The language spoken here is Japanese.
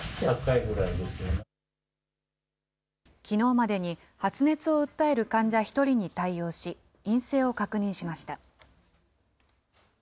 きのうまでに発熱を訴える患者１人に対応し、陰性を確認しました。